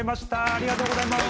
ありがとうございます。